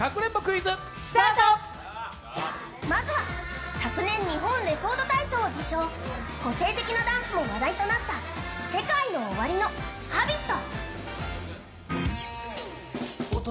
まずは昨年、日本レコード大賞を受賞、個性的なダンスも話題となったＳＥＫＡＩＮＯＯＷＡＲＩの「Ｈａｂｉｔ」。